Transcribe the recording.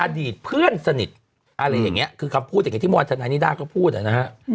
อดีตเพื่อนสนิทอะไรอย่างเงี้ยคือคำพูดอย่างเงี้ยที่มวลทนายนิดาเขาพูดอะนะฮะ